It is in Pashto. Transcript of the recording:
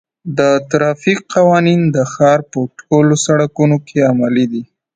د ترافیک قوانین د ښار په ټولو سړکونو کې عملي دي.